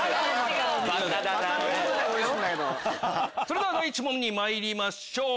それでは第１問にまいりましょう。